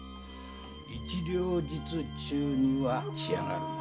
一両日中には仕上がるものと。